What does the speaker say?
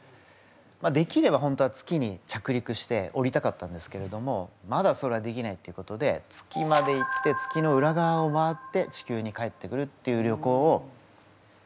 できればホントは月に着陸しておりたかったんですけれどもまだそれはできないっていうことで月まで行って月の裏側を回って地球に帰ってくるっていう旅行を来年ぐらいに実は予定してます。